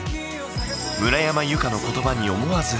村山由佳の言葉に思わず。